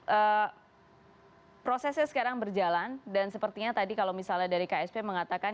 eee prosesnya sekarang berjalan dan sepertinya tadi kalau misalnya dari ksp mengatakan